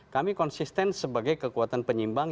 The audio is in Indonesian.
kami konsisten sebagai kekuatan penyimbang